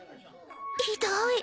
ひどい。